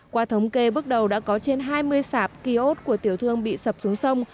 qua thống kê bước đầu đã có trên hai mươi sạp ký ốt của tiểu thương bị sập xuống sông